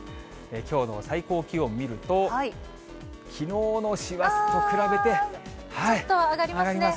きょうの最高気温見ると、きのうの師走と比べて、上がります。